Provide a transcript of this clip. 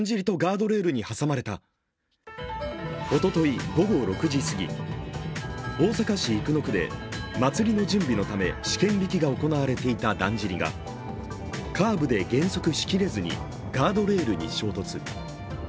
おととい午後６時すぎ、大阪市生野区で祭りの準備のため、試験びきが行われていただんじりがカーブで減速しきれずにガードレールに衝突。